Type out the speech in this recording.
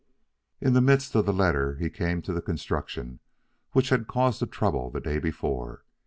In the midst of the letter he came to the construction which had caused the trouble the day before.